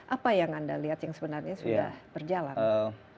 apa yang anda lihat yang sebenarnya sudah berjalan